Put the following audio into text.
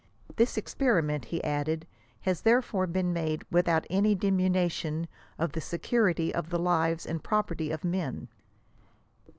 This experi ment," he added, *« has therefore been made without any diminu tion of the security of the lives and property of men.